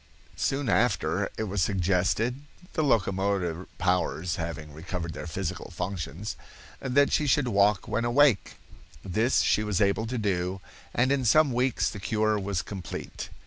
Soon after it was suggested—the locomotor powers having recovered their physical functions—that she should walk when awake. This she was able to do, and in some weeks the cure was complete.